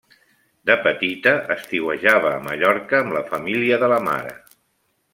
De petita estiuejava a Mallorca amb la família de la mare.